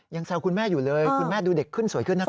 แซวคุณแม่อยู่เลยคุณแม่ดูเด็กขึ้นสวยขึ้นนะคะ